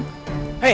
mertabak sama jenang